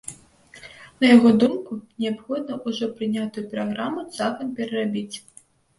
На яго думку, неабходна ўжо прынятую праграму цалкам перарабіць.